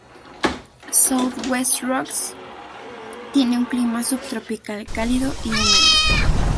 South West Rocks tiene un clima subtropical cálido y húmedo.